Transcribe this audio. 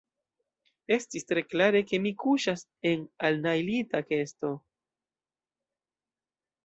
Estis tre klare, ke mi kuŝas en alnajlita kesto.